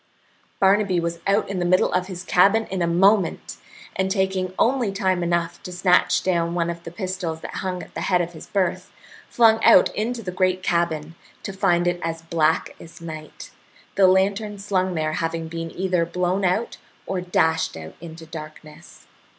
Barnaby was out in the middle of his cabin in a moment, and taking only time enough to snatch down one of the pistols that hung at the head of his berth, flung out into the great cabin, to find it as black as night, the lantern slung there having been either blown out or dashed out into darkness.